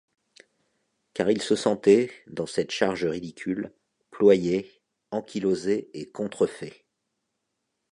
Car il se sentait, dans cette charge ridicule, ployé, ankylosé et contrefait.